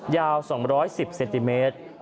ยาว๒๑๐เซนติเมตร